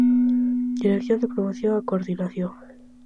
Dirección de Promoción e Coordinación.